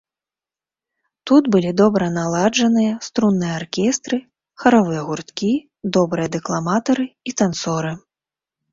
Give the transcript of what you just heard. Тут былі добра наладжаныя струнныя аркестры, харавыя гурткі, добрыя дэкламатары і танцоры.